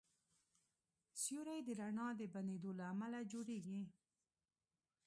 سیوری د رڼا د بندېدو له امله جوړېږي.